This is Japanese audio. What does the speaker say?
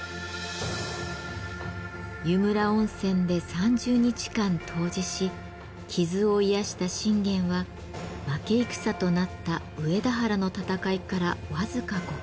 湯村温泉で３０日間湯治し傷を癒やした信玄は負け戦となった上田原の戦いから僅か５か月後再び出陣。